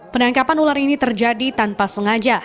penangkapan ular ini terjadi tanpa sengaja